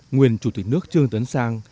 nguyên chủ tịch nước trương tuấn sang